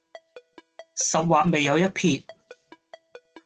十劃未有一撇